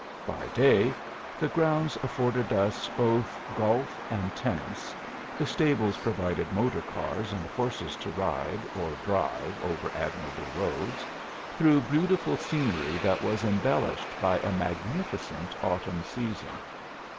By day, the grounds afforded us both golf and tennis, the stables provided motor cars and horses to ride or drive over admirable roads, through beautiful scenery that was embellished by a magnificent autumn season.